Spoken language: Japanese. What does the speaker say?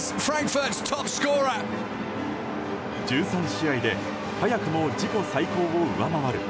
１３試合で早くも自己最高を上回る